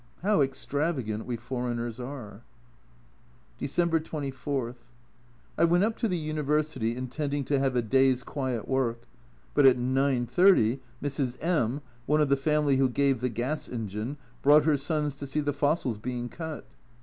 How extravagant we foreigners are ! December 24. I went up to the University intend ing to have a day's quiet work but at 9.30 Mrs. M (one of the family who gave the gas engine) brought her sons to see the fossils being cut.